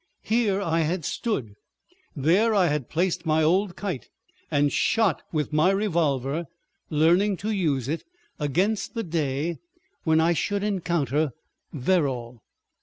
Here I had stood, there I had placed my old kite, and shot with my revolver, learning to use it, against the day when I should encounter Verrall.